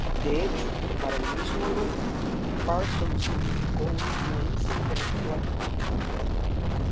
De hecho, para el mismo Luhmann, Parsons significó una influencia intelectual importante.